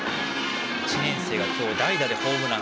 １年生が今日代打でホームラン。